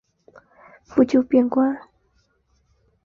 不久贬官。